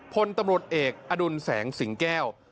พลตำรวจเอกอดุลแสงสิงแก้ว